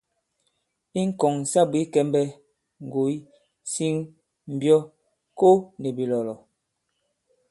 I ŋ̀kɔ̀ŋ sa bwě kɛmbɛ, ŋgòy, siŋ, mbyɔ, ko nì bìlɔ̀lɔ̀.